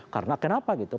karena kenapa gitu